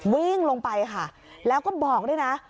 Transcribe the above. วิ่งลงไปค่ะแล้วก็บอกด้วยนะ